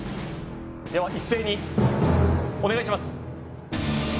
では一斉にお願いします